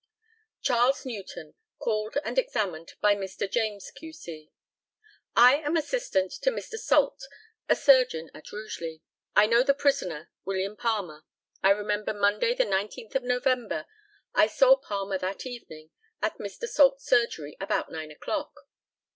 CHARLES NEWTON, called and examined by Mr. JAMES, Q.C. I am assistant to Mr. Salt, a surgeon at Rugeley. I know the prisoner, William Palmer. I remember Monday, the 19th of November. I saw Palmer that evening at Mr. Salt's surgery about nine o'clock.